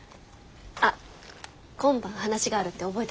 あっ今晩話があるって覚えてた？